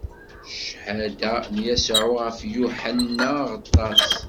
Cchada n Yasuɛ ɣef Yuḥenna Aɣeṭṭaṣ.